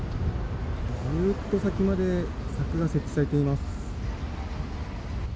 ずっと先まで柵が設置されています。